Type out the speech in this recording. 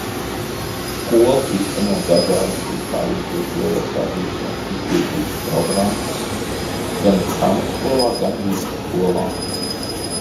Skola īsteno dažādas vispārizglītojošā virziena izglītības programmas gan pamatskolā, gan vidusskolā.